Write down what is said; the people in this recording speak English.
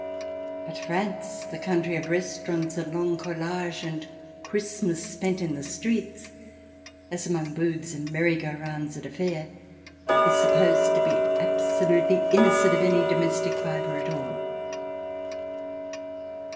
But France, the country of res taurants and long collages and Christmas spent in the streets as among booths and merry go rounds at a fair, is supposed to be absolutely innocent of any domestic fibre at all.